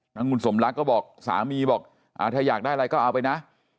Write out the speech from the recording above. นางบุญสมรักก็บอกสามีบอกถ้าอยากได้อะไรก็เอาไปนะ